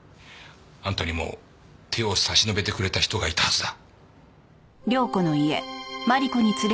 あんたにも手を差し伸べてくれた人がいたはずだ。